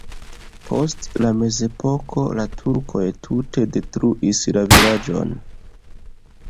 Post la mezepoko la turkoj tute detruis la vilaĝon.